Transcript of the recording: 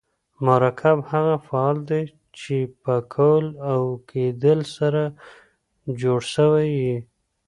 مرکب هغه افعال دي، چي په کول او کېدل سره جوړ سوي یي.